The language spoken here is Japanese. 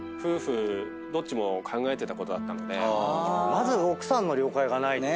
まず奥さんの了解がないとね。